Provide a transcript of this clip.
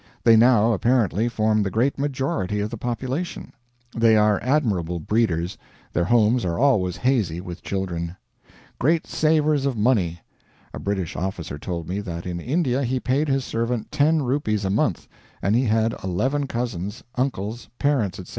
They now apparently form the great majority of the population. They are admirable breeders; their homes are always hazy with children. Great savers of money. A British officer told me that in India he paid his servant 10 rupees a month, and he had 11 cousins, uncles, parents, etc.